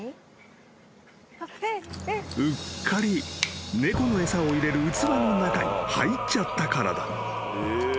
［うっかり猫の餌を入れる器の中に入っちゃったからだ］